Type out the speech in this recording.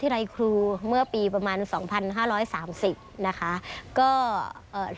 ที่ไร้ครูเมื่อปีประมาณ๒๕๓๐บาท